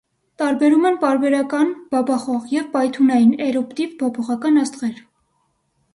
Տարբերում են պարբերական (բաբախող) և պայթունային (էրուպտիվ) փոփոխական աստղեր։